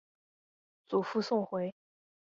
祖父宋回。